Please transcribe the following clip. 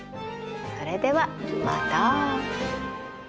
それではまた。